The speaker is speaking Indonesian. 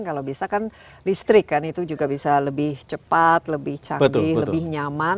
kalau bisa kan listrik kan itu juga bisa lebih cepat lebih canggih lebih nyaman